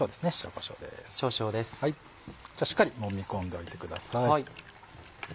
こちらしっかりもみ込んでおいてください。